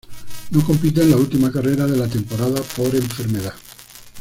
No compite en la última carrera de la temporada por enfermedad.